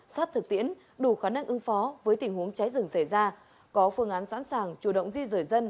sát thực tiễn đủ khả năng ứng phó với tình huống cháy rừng xảy ra có phương án sẵn sàng chủ động di rời dân